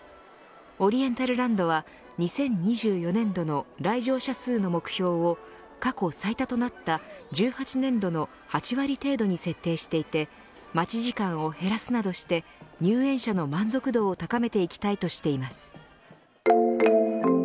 オリエンタルランドは２０２４年度の来場者数の目標を過去最多となった１８年度の８割程度に設定していて待ち時間を減らすなどして入園者の満足度を高めていきたいとしています。